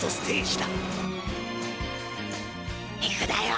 いくだよ。